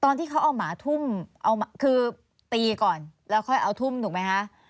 ตอนที่เขาเอาหมาทุ่มเอาคือตีก่อนแล้วค่อยเอาทุ่มถูกไหมคะ